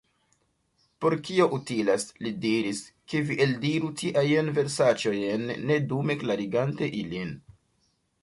"Por kio utilas," li diris, "ke vi eldiru tiajn versaĉojn, ne dume klarigante ilin?